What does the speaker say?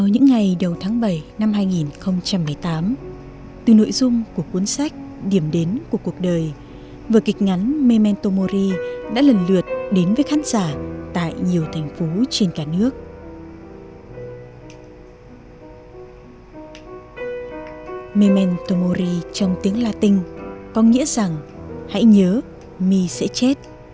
hãy đăng ký kênh để ủng hộ kênh của chúng mình nhé